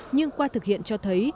nhưng qua thực hiện cho thấy